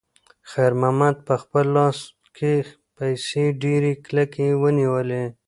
خیر محمد په خپل لاس کې پیسې ډېرې کلکې ونیولې.